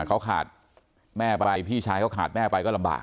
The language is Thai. เขาขาดแม่ไปพี่ชายเขาขาดแม่ไปก็ลำบาก